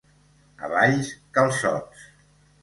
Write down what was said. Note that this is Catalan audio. A Valls, calçots.